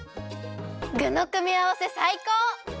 ぐのくみあわせさいこう！